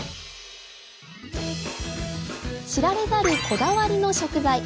知られざるこだわりの食材。